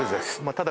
ただ。